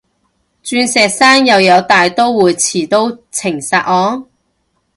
鑽石山又有大刀會持刀情殺案？